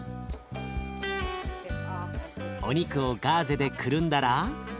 お肉をガーゼでくるんだら。